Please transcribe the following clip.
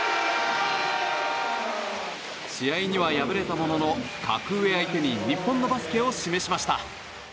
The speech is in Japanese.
試合には敗れたものの格上相手に日本のバスケを示しました。